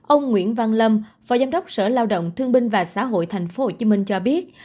ông nguyễn văn lâm phó giám đốc sở lao động thương binh và xã hội thành phố hồ chí minh cho biết